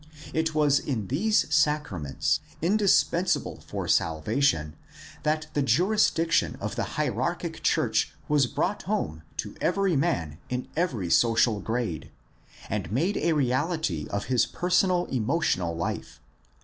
It was in these sacra ments, indispensable for salvation, that the jurisdiction of the hierarchic church was brought home to every man in every social grade and made a reality to his personal emotional life.